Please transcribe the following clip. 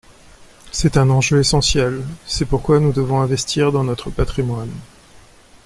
C’est un enjeu essentiel : c’est pourquoi nous devons investir dans notre patrimoine.